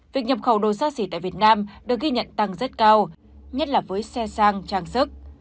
việc nhập khẩu đồ xa xỉ tại việt nam được ghi nhận tăng rất cao nhất là với xe sang trang sức